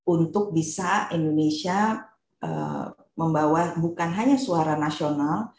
untuk bisa indonesia membawa bukan hanya suara nasional